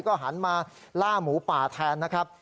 ก็หันมาล่าหมูป่าแทนนะครับ